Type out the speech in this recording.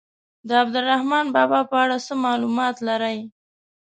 د عبدالرحمان بابا په اړه څه معلومات لرئ.